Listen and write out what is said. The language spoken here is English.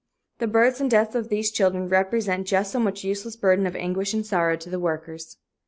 The births and deaths of these children represent just so much useless burden of anguish and sorrow to the workers.